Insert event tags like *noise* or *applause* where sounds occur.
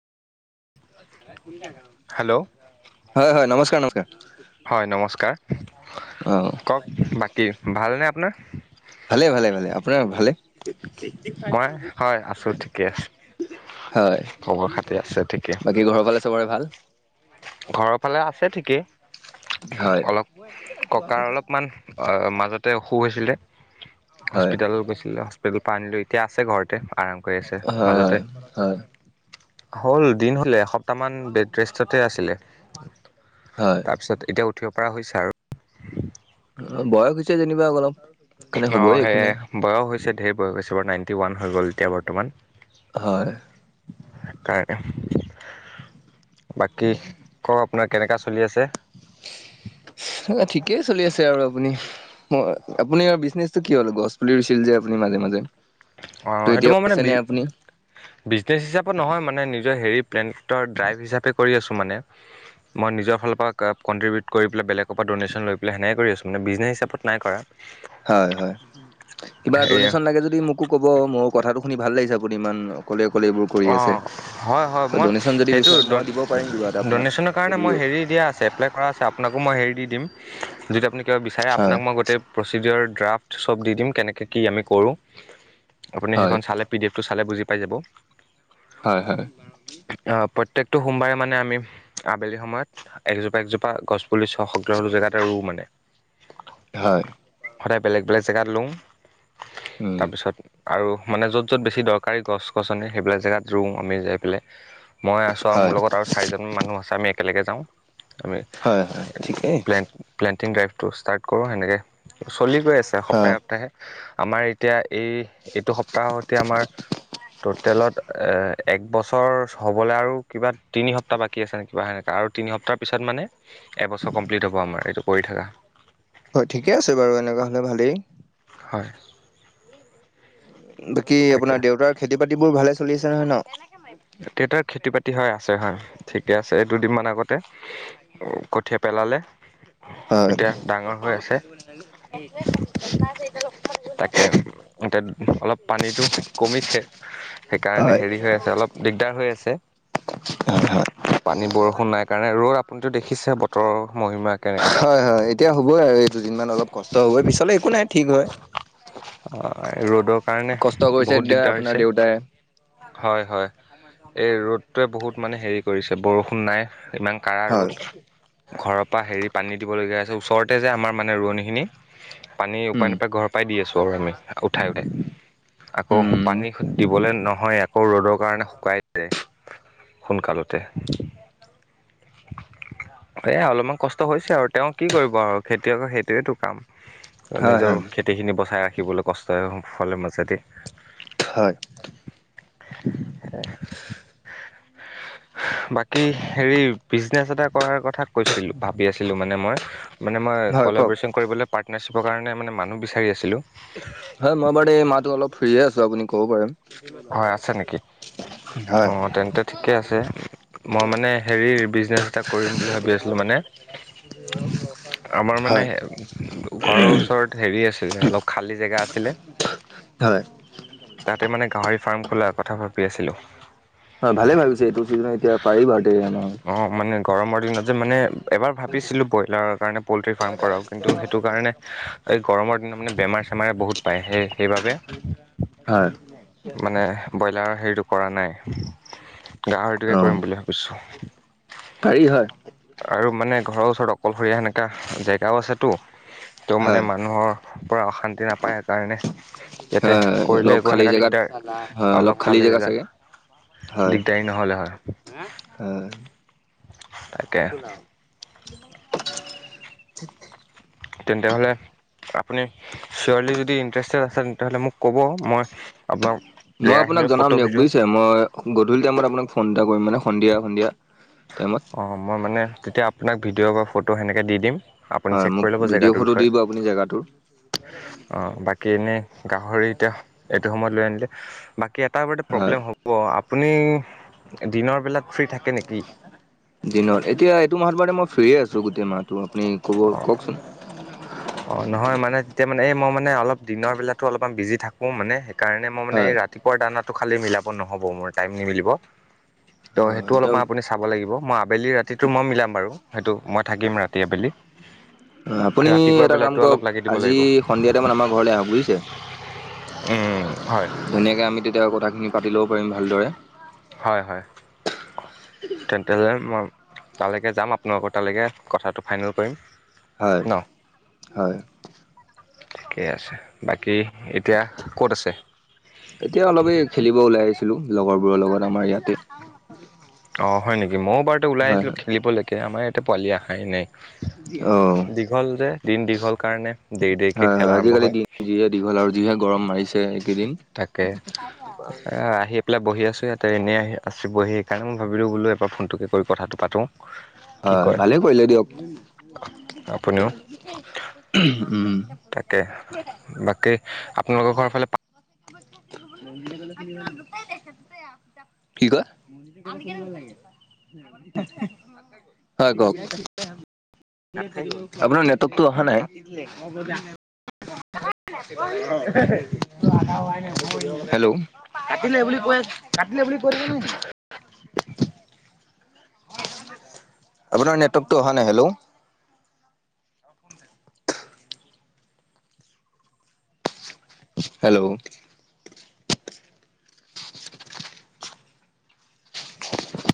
হয় হেল্ল' -হয়, নমস্কাৰ -নমস্কাৰ। হয়, নমস্কাৰ অ ক'ক বাকী ভালনে আপোনাৰ? ভালে- ভালে -ভালে আপোনাৰ ভালে? মই হয় আছোঁ ঠিকে আছে হয়, খবৰ খাতি আছে ঠিকে বাকী ঘৰৰ ফালে চবৰে ভাল? ঘৰৰ ফালে আছে ঠিকেই? হয় হয় অলপ ককাৰ অলপমান আহ মাজতে অসুখ হৈছিলে হয় হস্পিতেল গৈছিলে, হস্পিতেলৰ পৰা আনিলো এতিয়া আছে ঘৰতে। আৰাম কৰি আছে হয় মাজতে হয় হ'ল দিন হ'লে এসপ্তাহ মান বেডৰেষ্টতে আছিলে হয় তাৰপিছত এতিয়া উঠিব পৰা হৈছে আৰু। অহ, বয়স হৈছে যেনিবা অলপ। সেইকাৰণে হ'বই অহ, একো সেয়াই নাই বয়স হৈছে ধেৰ বয়স হৈছে বাৰু নাইনটি ওৱান হৈ গ'ল এতিয়া বৰ্তমান। হয়। হয় বাকী ক'ক আপোনাৰ কেনেকা চলি আছে? *unintelligible* ঠিকেই চলি আছে আৰু আপুনি -আপুনি বিজনেচ টো কি হ'ল গছ পুলি ৰুইছিল যে আপুনি মাজে -মাজে। অ', ত সেইটো এতিয়া মই মানে আছে বি নে আপুনি -বিজনেছ হিচাপত নহয় মানে নিজৰ হেৰি প্লেনটৰ ড্ৰাইভ হিচাপে কৰি আছোঁ মানে মই নিজৰ ফালৰ পৰা কণ্ট্ৰিবিউট কৰি পেলাই বেলেগৰ পৰা দনেশন লৈ পেলাই সেনেকে কৰিছোঁ মানে বিজনেছ হিচাপত নাই কৰা। হয়- হয় কিবা হেৰি ডনেচন লাগে যদি মোকো ক'ব মই কথাটো শুনি ভাল লাগিছে আপুনি ইমান ক'লে অকলে এইবোৰ কৰি আছে অঁ হয় হয় মই ডনেশন যদি সেইটো বিচাৰে মই দিব পাৰিম কিবা এটা আপোনাক ডনেশ্যনৰ কাৰণে যদি মই হেৰি দিয়া আছে এপ্লাই কৰা আছে আপোনাকো মই হেৰি দি দিম, যদি আপুনি কিবা বিচাৰে হয় আপোনাক মই গোটেই প্ৰচিডিঅ'ৰ ড্ৰাফ্ট চব দি দিম, কেনেকে কি আমি কৰোঁ আপুনি হয় সেইখন চালে পিডিএফ টো চালে বুজি পাই যাব। হয় হয়। প্ৰত্যেকটো সোমবাৰে মানে আমি আবেলি সময়ত একজোপা একজোপা গছপুলি চশগ্ৰ জেগাত ৰোঁ মানে। হয়। সদায় বেলেগ বেলেগ জেগাত ৰো উম তাৰপিছত। আৰু মানে য'ত য'ত বেছি দৰকাৰী গছ গছনে সেইবিলাক জেগাত ৰুওঁ আমি যাই পেলাই। মই আছোঁ আৰু মোৰ হয় লগত আৰু চাৰিজন মানুহ আছে আমি একেলগে যাওঁ। আমি হয় হয় ঠিকেই প্লে প্লেণ্টিং ড্ৰাইভটো ষ্টাৰ্ট কৰোঁ তেনেকে। চলি গৈ আছে হয় সপ্তাহে সপ্তাহে আমাৰ এতিয়া। এই এইটো সপ্তাহতে আমাৰ টটেলত এ এক বছৰ হ'বলৈ আৰু কিবা তিনি সপ্তাহ বাকী আছে নে কিবা সেনেকা আৰু তিনি তিনি সপ্তাহ পিছত মানে এবছৰ কমপ্লিট হ'ব, আমাৰ এইটো কৰি থকা। হয় ঠিকে আছে বাৰু এনেকুৱা হলে ভালেই। হয়। বাকী তাকে আপোনাৰ দেউতাৰ খেতি বাতিবোৰ ভালে চলি আছে নহয় ন? দেতাৰ খেতি টি বাতি হয় আছে হয় ঠিকে আছে দুদিনমান আগতে কঠিয়া পেলালে। এতিয়া ডাঙৰ হৈ আছে হয়। তাকে তাত অলপ পানীটো কমিছে, সেইকাৰণে হয় হেৰি হৈ আছে অলপ দিগ দাৰ হৈ আছে। *inaudible* পানী বৰষুণ নাই কাৰণে ৰ'দ আপুনিতটো দেখিছে বতৰৰ মহিমা কেনেকা হয় হয় এতিয়া হ'বই আৰু এই দুদিনমান অলপ কষ্ট হ'বই পিছলে একো নাই ঠিক হয়। ৰ'দৰ কাৰণে কষ্ট কৰিছে বহুত তেতিয়া দিগদাৰ আপোনাৰ হৈছে দেউতাই হয় হয়। এই ৰ'দটোৱে বহুত মানে হেৰি কৰিছে বৰষুণ নাই ইমান কাড়া ৰ'দ। হয় ঘৰৰ পৰা হেৰি পানী দিবলগীয়া আছে ওচৰতে যে আমাৰ মানে ৰোৱনীখিনি পানী ওপাই উম নোপাই ঘৰৰ পৰাই দি আছোঁ আৰু আমি উঠাই উঠাই আকৌ উম পানী দিবলে নহয় আকৌ ৰ'দক কাৰণে শুকাই যায় সোনকালতে *unintelligible* এ অলপমান কষ্ট হৈছে আৰু তেওঁ কি কৰিব আৰু খেতিয়কৰ সেইটোয়েটো কাম। হয় নিজৰ হয় খেতিখিনি বচাই ৰাখিবলৈ কষ্ট সফলৰ মাজেদি হয় বাকী হেৰি বিজনেছ এটা কৰাৰ কথা কৈছিলোঁ ভাবি আছিলোঁ মানে মই মানে মই হয় কওক কলাবেশচন কৰিবলৈ পাৰ পাৰ্টনাৰশ্বিপ কাৰণোনে মানুহ বিচাৰি আছিলোঁ। হয় মই বাৰু এই মাহো অলপ ফ্ৰীয়ে আছো আপুনি ক'ব পাৰে। হয় আছে নেকি হয়। অঁ তেন্তে ঠিকে আছে মই মানে হেৰি বিজনেছ এটা কৰিম বুলি ভাবি আছিলো মানে আমাৰ মানে। হয় ঘৰৰ ওচৰত হেৰি আছে। খালি জেগা আছিলে হয় তাতে মানে গাহৰি ফাৰ্ম খোলাৰ কথা ভাবি আছিলোঁ। হয় ভালে ভাবিছে এইটো চিজনত এতিয়া পাৰি অ', মানে *unintelligible* গৰমৰ দিনত যে মানে এবাৰ ভাবিছিলো ব্ৰইলাৰৰ কাৰণে পল্ট্ৰি ফাৰ্ম কৰাও কিন্তু সেইটো কাৰণে এই গৰমৰ দিনাত মানে বেমাৰ। চেমাৰে বহুত পায় সেই সেইবাবে হয়। মানে ব্ৰইলাৰ হেৰিটো কৰা নাই। গাহৰিটোকে অ', কৰিম বুলি ভাবিছো পাৰি হয়। আৰু মানে ঘৰৰ ওচৰত অকলশৰীয়া সেনেকুৱা জেগাও আছেতো ত হয়, মানে মানুহৰ পৰা অশান্তি নাপায়। সেইকাৰণে ইয়াতে হয়, কৰিলে অলপ একো খালী সেনেকুৱা জেগাত দিগদাৰ হয়, অলপ খালী খালে জেগা জেদা চাগে হয়। দিগদাৰী নহ'লে হয়। হয়, তাকে। *unintelligible* তেন্তে হলে আপুনি ছিওৰলি যদি ইটাৰেষ্টড আছে তেন্ত মোক ক'ব। মই আপোনাক মই আপোনাক জেগাখিনিৰ জনাম ফটো দিয়ক ভিডিঅ' বুজিছে। মই গধূলি টাইমত আপোনাক ফোন এটা কৰিম মানে। সন্ধিয়া, সন্ধিয়া টাইমত অঁ মই মানে তেতিয়া আপোনাক ভিডিঅ' বা ফটো সেনেকৈ দি দিম। আপুনি হয়, চেক মোক কৰি ল'ব ভিডিঅ' জেগাটোৰ ফটো দি বিষয়ে। দিব আপুনি জেগাটোৰ অ বাকী এনেই গাহৰি এতিয়া এইটো সময়ত লৈ আনিলে বাকী এটা বৰ হয়। প্ৰব্লেম হ'ব। আপুনি দিনৰ বিলাক দিনত, এতিয়া এইটো মাহত মানে মই ফ্ৰীয়ে আছো গোটেই মাহটো। আপুনি ক'ব কওকচোন। এতিয়া মানে এই মই মানে অলপ দিনৰ বেলাতো অলপমান বিজি থাকোঁ মানে। সেইকাৰণে মই মানে এই হয়। ৰাতিপুৱা দানত টো খালী মিলাব নহব মোৰ, টাইম নিমিলিব। ত সেইটো হয়, এতিয়া অলপমান আপুনি চাব লাগিব। মই *unintelligible* আবেলি ৰাতিটো মই মিলাম বাৰু। সেইটো মই থাকিম ৰাতি আবেলি। তুমি *unintelligible* এটা কাম কৰক। অলপ লাগি দিব আজি লাগিব সন্ধিয়া টাইমত আমাৰ ঘৰলে আহক বুজিছে। উম, হয় ধুনীয়াকে আমি তেতিয়া কথাখিনি পাতি ল'ব পাৰিম ভালদৰে। হয়, হয়। তেন্তে হ'লে মই তালেকে যাম, আপোনালোকৰ তালেকে। কথাটো ফাইনেল কৰিম। হয়, ন হয়। ঠিকেই আছে। বাকী এতিয়া ক'ত আছে? এতিয়া অলপ এই খেলিব ওলাই আহিছিলো। লগৰবোৰৰ লগত আমাৰ ইয়াতে। অঁ হয় নেকি? ময়ো বাৰুতে ওলাই হয় আহিছিলোঁ খেলিবলৈকে। আমাৰ ইয়াতে পোৱালি আহাই হয় অ'। নাই। দীঘল যে দিন দীঘল কাৰণে দেৰি দেৰিকে খেল আৰম্ভ হয়। বাৰু যিহে গৰম মাৰিছে এইকেইদিন। তাকে, আহ আহিয়ে বহি আছোঁ ইয়াতে এনেই আহি আছে ব। সেইকাৰণে মই ভাবিলো বোলো এবা ফোনটোকে কৰি কথাটো পাতোঁ। কি হয়, কয় ভালে কৰিলে দিয়ক। আপুনিও, উম তাকে বাকী আপোনালোকৰ ঘৰৰ ফালে কি কয়? হয়, কওক। আপোনাৰ নেটৱকটো অহা নাই? *unintelligible* হেল্ল', কাটিলে বুলি কৈ আছোঁ কাটিলে বুলি কৈ দিব *unintelligible* *unintelligible* আপোনাৰ নেটৱকটো অহা নাই। Hello hello.